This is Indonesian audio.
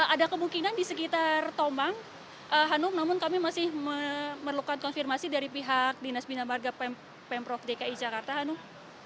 ada kemungkinan di sekitar tomang hanum namun kami masih memerlukan konfirmasi dari pihak dinas bina marga pemprov dki jakarta hanum